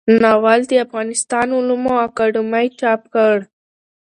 ناول د افغانستان علومو اکاډمۍ چاپ کړ.